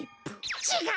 ちがう！